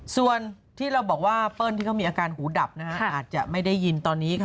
ส่วนที่เราบอกว่าเปิ้ลที่เขามีอาการหูดับอาจจะไม่ได้ยินตอนนี้ค่ะ